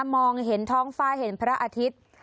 มองเห็นท้องฟ้าเห็นพระอาทิตย์